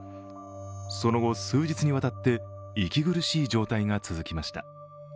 その後、数日にわたって息苦しい状態が続きました。